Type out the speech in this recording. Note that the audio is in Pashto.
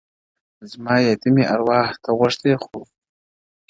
• زما يتيـمي ارواح تـه غـــــوښـتې خـو ـ